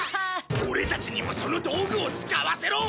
オレたちにもその道具を使わせろ！